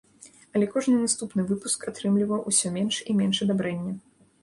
Але кожны наступны выпуск атрымліваў усё менш і менш адабрэння.